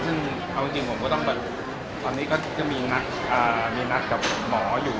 จริงตอนนี้ก็ต้องมีนัดกับหมอยู่